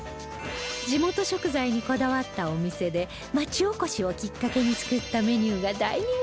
地元食材にこだわったお店で町おこしをきっかけに作ったメニューが大人気なのだそう